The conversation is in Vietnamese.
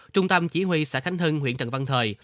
trung tâm chỉ huy xã khánh hưng huyện trần văn thời